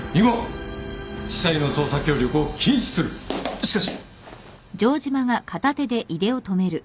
しかし。